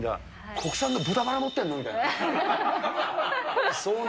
国産の豚バラ持ってるの？みたいな。